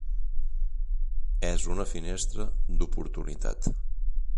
És una finestra d’oportunitat.